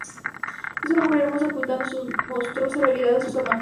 Es una mujer hermosa, ocultando su monstruosa realidad a sus amantes.